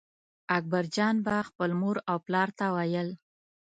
اکبرجان به خپل مور او پلار ته ویل.